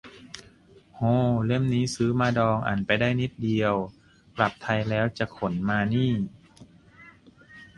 โฮ เล่มนี้ซื้อมาดอง อ่านไปได้นิดเดียว กลับไทยแล้วจะขนมานี่